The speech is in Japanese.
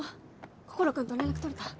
心君と連絡取れた？